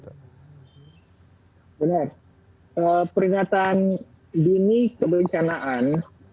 peringatan dini kebencanaan